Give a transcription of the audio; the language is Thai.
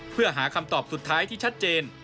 เพื่อหาคำตอบสุดท้ายที่ชัดเจน